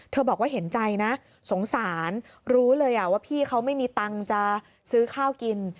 บอกว่าเห็นใจนะสงสารรู้เลยว่าพี่เขาไม่มีตังค์จะซื้อข้าวกิน